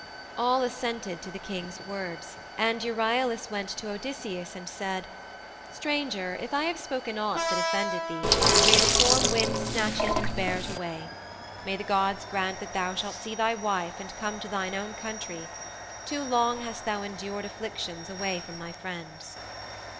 All assented to the King's words, and Euryalus went to Odysseus and said, 'Stranger, if I have spoken aught that offended thee, may the storm winds snatch it and bear it away. May the gods grant that thou shalt see thy wife and come to thine own country. Too long hast thou endured afflictions away from thy friends.'